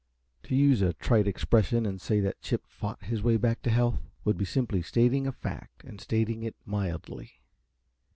To use a trite expression and say that Chip "fought his way back to health" would be simply stating a fact and stating it mildly.